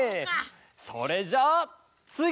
それじゃあつぎ！